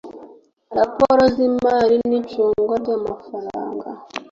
raporo z imari n icungwa ry amafaranga